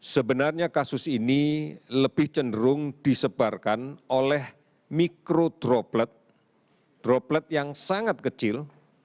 sebenarnya kasus ini lebih cenderung disebarkan oleh mikroplet droplet yang sangat kecil